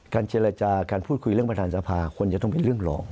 เจรจาการพูดคุยเรื่องประธานสภาควรจะต้องเป็นเรื่องรอง